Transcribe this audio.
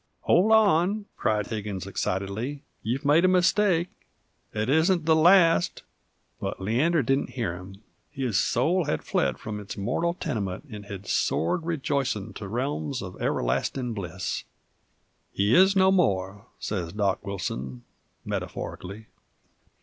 "Hold on," cried Higgins, excitedly, "you've made a mistake it isn't the last " But Leander didn't hear him his soul hed fled from its mortal tenement 'nd hed soared rejoicin' to realms uv everlastin' bliss. "He is no more," sez Dock Wilson, metaphorically.